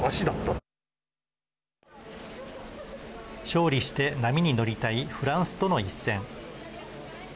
勝利して波に乗りたいフランスとの一戦。